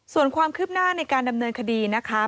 ส่วนความคืบหน้าในการดำเนินคดีนะคะ